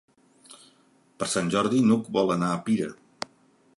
Per Sant Jordi n'Hug vol anar a Pira.